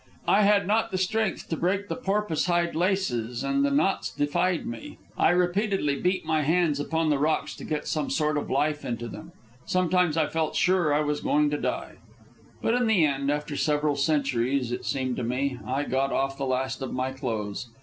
I had not the strength to break the porpoise hide laces, and the knots defied me. I repeatedly beat my hands upon the rocks to get some sort of life into them. Sometimes I felt sure I was going to die. But in the end, after several centuries, it seemed to me, I got off the last of my clothes.